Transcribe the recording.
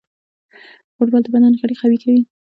فوټبال د بدن غړي قوي کوي.